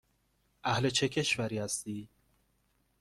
اهل چه کشوری هستی؟